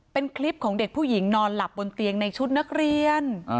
เป็นคลิปของเด็กผู้หญิงนอนหลับบนเตียงในชุดนักเรียน